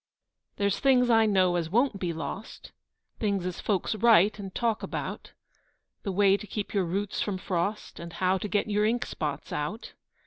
There's things, I know, as won't be lost, Things as folks write and talk about: The way to keep your roots from frost, And how to get your ink spots out.